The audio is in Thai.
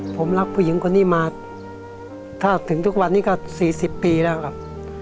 ผมรักผู้หญิงคนนี้มาถ้าถึงทุกวันนี้ก็๔๐ปีแล้วครับ